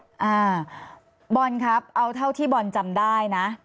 อ่าบอลครับเอาเท่าที่บอลจำได้นะ